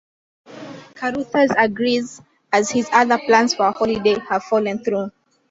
Carruthers agrees, as his other plans for a holiday have fallen through.